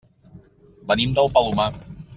Venim del Palomar.